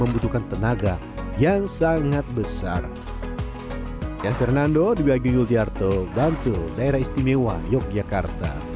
membutuhkan tenaga yang sangat besar